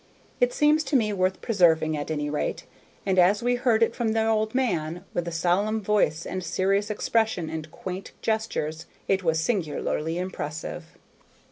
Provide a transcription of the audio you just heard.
It seems to me worth preserving, at any rate; and as we heard it from the old man, with his solemn voice and serious expression and quaint gestures, it was singularly impressive.